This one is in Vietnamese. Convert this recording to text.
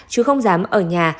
chứ không dám ở nhà